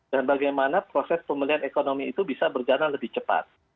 dan bagaimana proses pemulihan ekonomi itu bisa berjalan lebih cepat